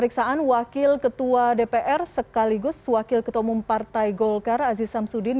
ketua umum partai golkar aziz sam sudin